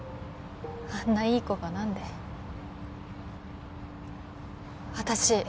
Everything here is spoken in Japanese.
あんないい子が何で私